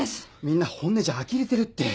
みんな本音じゃあきれてるって。